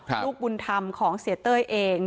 ลูกบุญธรรมของเสียเต้ยเอง